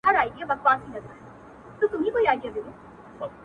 د چاد زلفو ښايسته سيوري مي په ياد كـي نـــه دي ـ